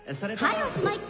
はいおしまい！